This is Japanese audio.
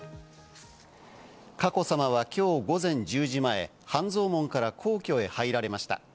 佳子さまはきょう午前１０時前、半蔵門から皇居へ入られました。